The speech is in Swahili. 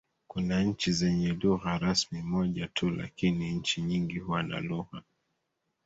Kuna nchi zenye lugha rasmi moja tu lakini nchi nyingi huwa na lugha